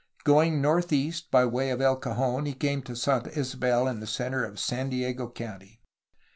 Going northeast by way of El Cajon, he came to Santa Isabel in the centre of San Diego County.